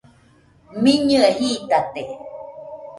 Miñɨe jitate.